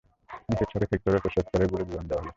নিচের ছকে সেক্টর এবং উপ-সেক্টরগুলোর বিবরণ দেয়া হলো।